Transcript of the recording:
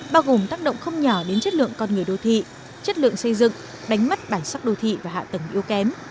bao gồm tác động không nhỏ đến chất lượng con người đô thị chất lượng xây dựng đánh mất bản sắc đô thị và hạ tầng yếu kém